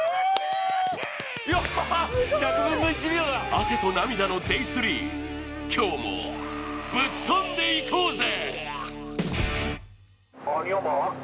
汗と涙のＤＡＹ３、今日も、ぶっ飛んでいこうぜ！